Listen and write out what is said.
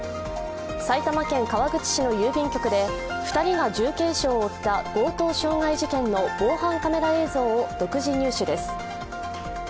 埼玉県川口市の郵便局で２人が重軽傷を負った強盗傷害事件の防犯カメラ映像を独自入手です。